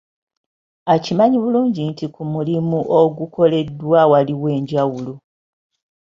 Akimanyi bulungi nti ku mulimu ogukoleddwa waliwo enjawulo.